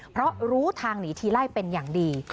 เพราะรู้ทางหนีทีไล่เป็นอย่างดี